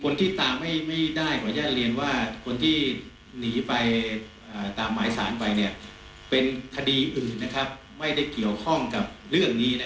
คนที่ตามไม่ได้ขออนุญาตเรียนว่าคนที่หนีไปตามหมายสารไปเป็นคดีอื่นไม่ได้เกี่ยวข้องกับเรื่องนี้